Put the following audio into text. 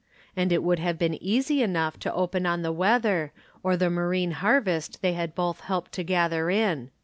And it would have been easy enough to open on the weather, or the marine harvest they had both helped to gather in.